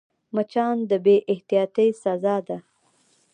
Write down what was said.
مچان د بې احتیاطۍ سزا ده